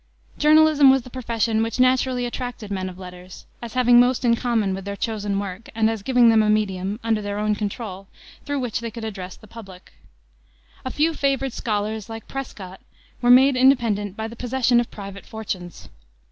Journalism was the profession which naturally attracted men of letters, as having most in common with their chosen work and as giving them a medium, under their own control, through which they could address the public. A few favored scholars, like Prescott, were made independent by the possession of private fortunes.